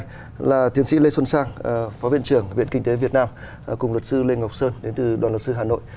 đây là tiến sĩ lê xuân sang phó viện trưởng viện kinh tế việt nam cùng luật sư lê ngọc sơn đến từ đoàn luật sư hà nội